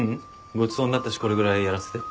ごちそうになったしこれぐらいやらせて。